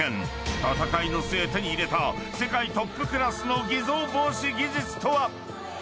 戦いの末手に入れた世界トップクラスの偽造防止技術とは。